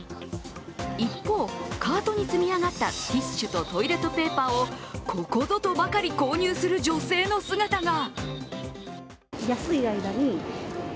一方、カートに積み上がったティッシュとトイレットペーパーをここぞとばかり購入する女性の姿が。